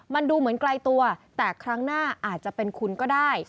มันดูเหมือนไกลตัวแต่ครั้งหน้าอาจจะเป็นคุณก็ได้